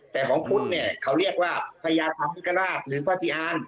แต่ของคุณเนี่ยเขาเรียกว่าพญาธรรมิกราชหรือพระซีอาน